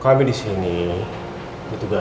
takut sama tuhan